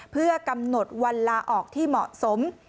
เพื่อกำหนดวันลาออกที่เหมาะสม